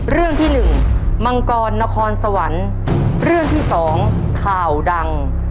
เรื่องที่หนึ่งมังกรนครสวรรค์เรื่องที่สองข่าวดัง